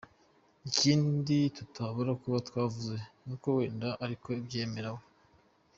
Ikindi tutabura kuba twavuga ni uko wenda ariko abyemera we.